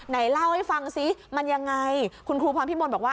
ไหนเล่าให้ฟังซิมันยังไงคุณครูพรพิมลบอกว่า